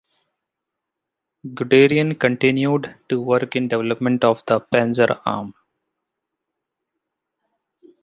Guderian continued to work in development of the panzer arm.